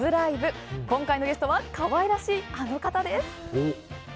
今回のゲストは可愛らしいあの方です。